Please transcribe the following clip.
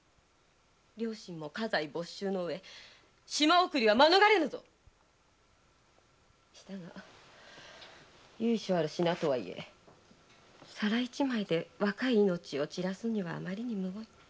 両親も家財没収の上島送りは免れんぞだが由緒ある品とはいえ皿一枚で若い命を散らすは余りにむごい。